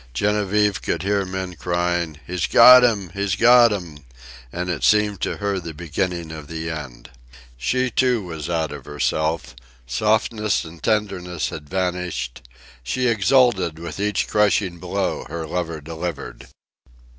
Genevieve could hear men crying, "He's got 'm, he's got 'm!" and it seemed to her the beginning of the end. She, too, was out of herself; softness and tenderness had vanished; she exulted with each crushing blow her lover delivered.